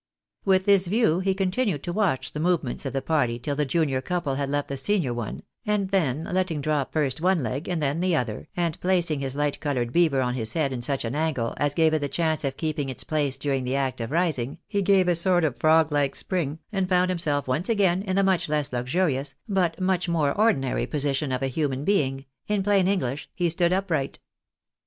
With this view he continued to watch the movements of the party till the junior couple had left the senior one, and then letting drop first one leg, and then the other, and placing his light coloured beaver on his head in such an angle, as gave it the chance of keeping its place during the act of rising, he gave a sort of frog like spring, and found himself once again in the much less luxurious, but much more ordinary position of a human being ; in plain English, he stood upright.